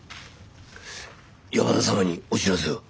山田様にお知らせを。